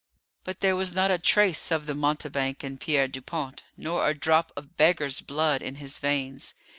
But there was not a trace of the mountebank in Pierre Dupont, nor a drop of beggar's blood in his veins.